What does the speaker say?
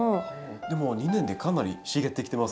でも２年でかなり茂ってきてますね。